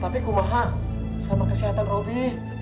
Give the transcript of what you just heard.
tapi kumaha sama kesehatan robi